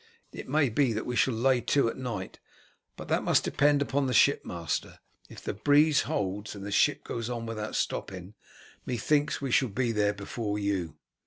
It may be that we shall lay to at night, but that must depend upon the shipmaster. If the breeze holds and the ship goes on without stopping, methinks we shall be there before you."